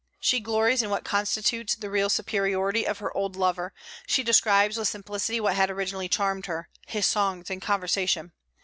She glories in what constitutes the real superiority of her old lover; she describes with simplicity what had originally charmed her, his songs and conversation.